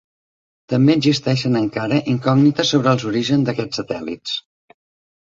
També existeixen encara incògnites sobre els orígens d'aquests satèl·lits.